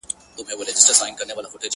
غوړولی یې په ملک کي امنیت وو!